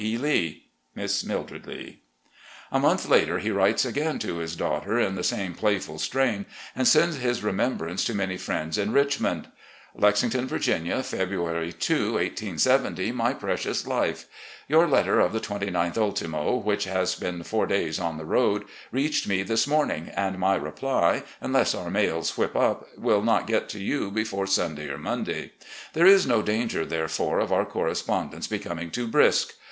E. Lee. "Miss Mildred Lee." A month later he writes again to this daughter in the same playful strain, and sends his remembrances to many friends in Richmond: "Lexington, Virginia, February 2, 1870. "My Precious Life: Your letter of the 29th ultimo, which has been four days on the road, reached me this morning, and my reply, unless our mails whip up, will not get to you before Stmday or Monday. There is no danger, therefore, of our correspondence becoming too brisk.